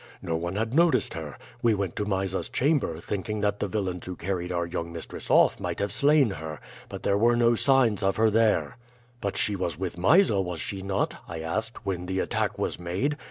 No one had noticed her. We went to Mysa's chamber, thinking that the villains who carried our young mistress off might have slain her; but there were no signs of her there.' "'But she was with Mysa, was she not,' I asked, 'when the attack was made?